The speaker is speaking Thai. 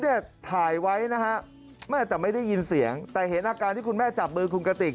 เนี่ยถ่ายไว้นะฮะแม่แต่ไม่ได้ยินเสียงแต่เห็นอาการที่คุณแม่จับมือคุณกติก